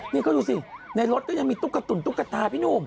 นี่เขาดูสิในรถก็ยังมีตุ๊กตุ๋นตุ๊กตาพี่หนุ่ม